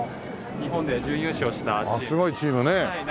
ああすごいチームね。